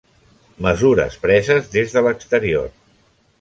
Mesures preses des de l'exterior.